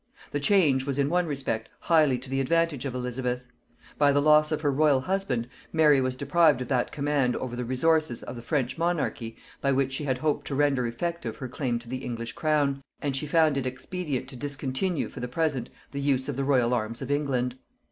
The change was in one respect highly to the advantage of Elizabeth. By the loss of her royal husband, Mary was deprived of that command over the resources of the French monarchy by which she had hoped to render effective her claim to the English crown, and she found it expedient to discontinue for the present the use of the royal arms of England.